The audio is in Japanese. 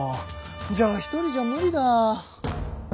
じゃあ１人じゃ無理だ。